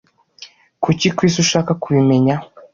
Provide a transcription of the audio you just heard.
kuki kwisi ushaka kubimenya